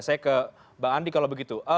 saya ke bang andi kalau begitu